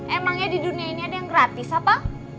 emangnya di dunia ini ada yang gratis apa